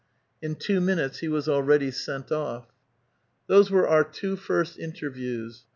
In two minutes he was already sent off. Those were our two first interviews.